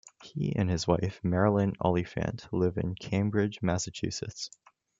He and his wife, Marilynn Oliphant, live in Cambridge, Massachusetts.